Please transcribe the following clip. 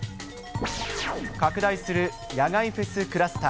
拡大する野外フェスクラスター。